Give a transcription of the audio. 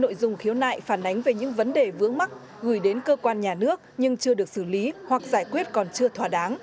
nội dung khiếu nại phản ánh về những vấn đề vướng mắt gửi đến cơ quan nhà nước nhưng chưa được xử lý hoặc giải quyết còn chưa thỏa đáng